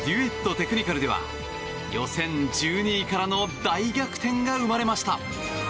テクニカルでは予選１２位からの大逆転が生まれました。